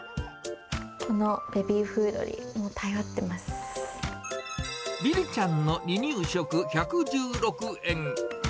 このベビーフードに頼ってまりりちゃんの離乳食１１６円。